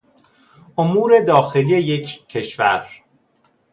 امور داخلی یک کشور